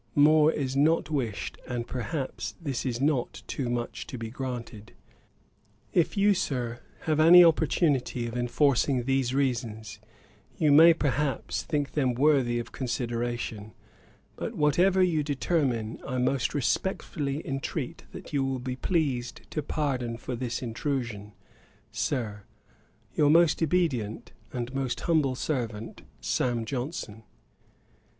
More is not wished; and, perhaps, this is not too much to be granted. 'If you, Sir, have any opportunity of enforcing these reasons, you may, perhaps, think them worthy of consideration: but whatever you determine, I most respectfully intreat that you will be pleased to pardon for this intrusion, Sir, 'Your most obedient 'And most humble servant, 'SAM. JOHNSON.'